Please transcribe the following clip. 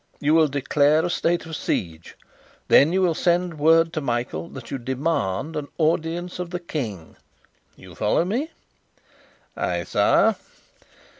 You will declare a state of siege. Then you will send word to Michael that you demand an audience of the King You follow me?" "Ay, sire."